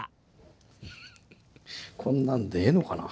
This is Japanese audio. フフフこんなんでええのかな。